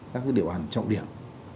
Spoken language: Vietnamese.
các địa bàn trọng điểm